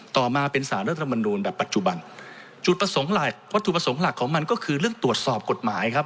ต่อมาเป็นสารรัฐมนูลแบบปัจจุบันจุดประสงค์หลักวัตถุประสงค์หลักของมันก็คือเรื่องตรวจสอบกฎหมายครับ